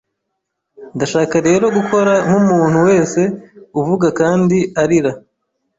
Ndashaka rero gukora nkumuntu wese uvuga kandi arira